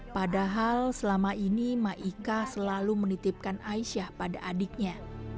padahal selama ini maika selalu menitipkan aisyah pada adiknya